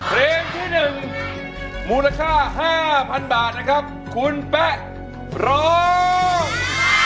เพลงที่๑มูลค่า๕๐๐๐บาทนะครับคุณแป๊ะร้อง